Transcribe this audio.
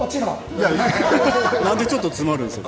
何でちょっと詰まるんですか？